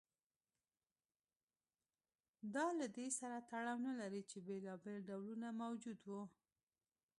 دا له دې سره تړاو نه لري چې بېلابېل ډولونه موجود و